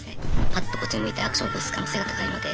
パッとこっち向いてアクション起こす可能性が高いので。